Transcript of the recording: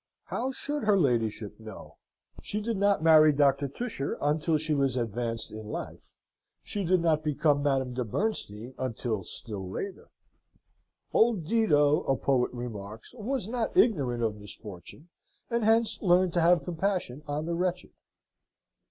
How should her ladyship know? She did not marry Doctor Tusher until she was advanced in life. She did not become Madame de Bernstein until still later. Old Dido, a poet remarks, was not ignorant of misfortune, and hence learned to have compassion on the wretched.